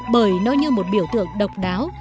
bởi nó như một biểu tượng độc đáo